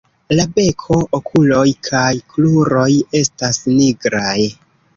La beko, okuloj kaj kruroj estas nigraj.